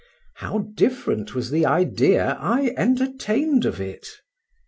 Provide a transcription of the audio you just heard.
How different was the idea I entertained of it!